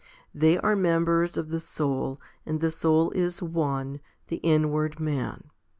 They are members of the soul, and the soul is one, the inward man.